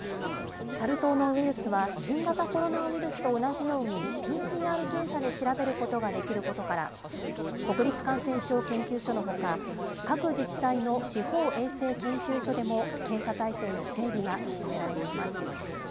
サル痘のウイルスは、新型コロナウイルスと同じようにＰＣＲ検査で調べることができることから、国立感染症研究所のほか、各自治体の地方衛生研究所でも検査体制の整備が進められています。